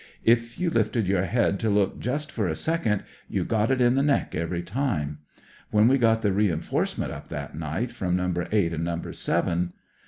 If you lifted your head to look just for a second, you got it in the neck every time. When we got the rduiforcement up that night from CLOSE QUARTERS «7 No. 8 and No.